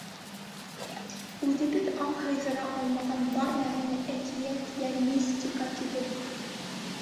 Үҙебеҙҙең аң һыйҙыра алмаған бар нәмәне «әкиәт» йә «мистика» тибеҙ...